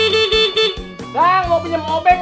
bang mau pinjem obeng